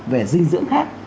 về dinh dưỡng khác